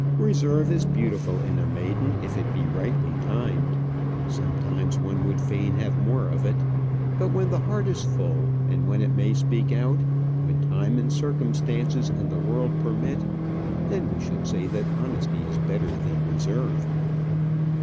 Reserve is beautiful in a maiden if it be rightly timed. Sometimes one would fain have more of it. But when the heart is full, and when it may speak out; when time, and circumstances, and the world permit then we should say that honesty is better than reserve.